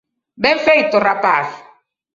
Ben feito, rapaz.